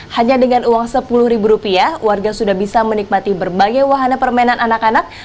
hanya dengan uang sepuluh ribu rupiah warga sudah bisa menikmati berbagai wahana permainan anak anak